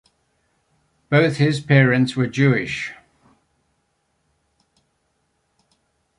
Both his parents were Jewish.